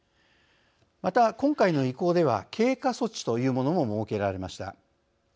また、今回の移行では経過措置というものも設けられました。